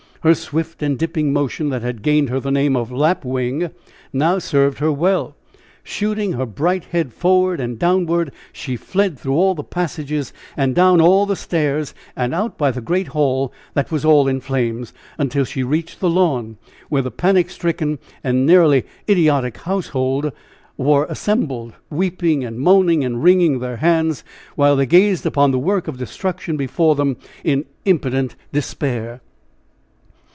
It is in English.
Her swift and dipping motion that had gained her the name of "Lapwing" now served her well. Shooting her bright head forward and downward, she fled through all the passages and down all the stairs and out by the great hall, that was all in flames, until she reached the lawn, where the panic stricken and nearly idiotic household were assembled, weeping, moaning and wringing their hands, while they gazed upon the work of destruction before them in impotent despair!